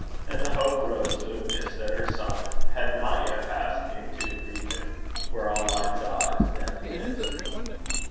And the hope rose luminous that her son had not yet passed into the region 'where all life dies, death lives.'